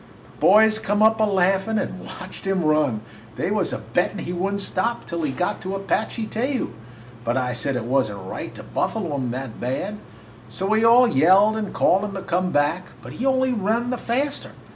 "The boys come up a laughin' and watched him run. They was a bettin' he would n't stop till he got to Apache Teju, but I said it was n't right to buffalo him that bad. So we all yelled and called him to come back, but he only run the faster.